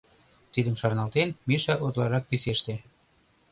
Тидым шарналтен, Миша утларак писеште.